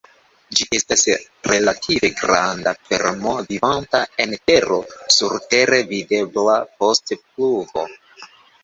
Ĝi estas relative granda vermo vivanta en tero, surtere videbla post pluvo.